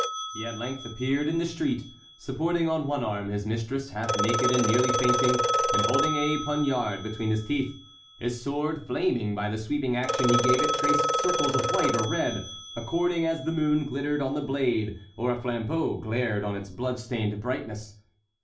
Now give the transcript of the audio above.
He at length appeared in the street, supporting on one arm his mistress, half naked and nearly fainting, and holding a poniard between his teeth. His sword, flaming by the sweeping action he gave it, traced circles of white or red, according as the moon glittered on the blade or a flambeau glared on its blood stained brightness.